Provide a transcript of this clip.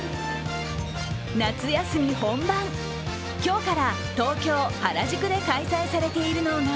夏休み本番、今日から東京・原宿で開催されているのが